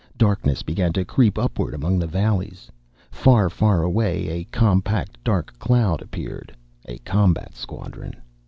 Darkness began to creep upward among the valleys. Far, far away a compact dark cloud appeared, a combat squadron.